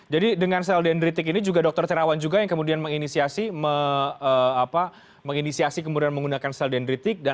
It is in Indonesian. jadi dengan sel dendritik ini juga dokter terawan juga yang kemudian menginisiasi kemudian menggunakan sel dendritik